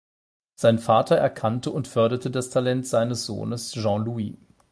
Sein Vater erkannte und förderte das Talent seines Sohnes Jean Louis.